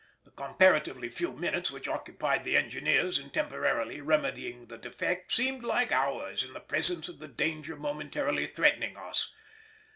The comparatively few minutes which occupied the engineers in temporarily remedying the defect seemed like hours in the presence of the danger momentarily threatening us.